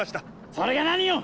それが何よ